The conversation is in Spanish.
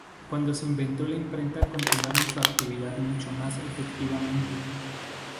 Cuando se inventó la imprenta continuaron su actividad mucho más efectivamente.